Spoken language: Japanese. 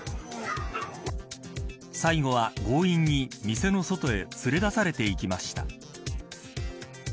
最後は強引に店の外へ連れ出されていきました。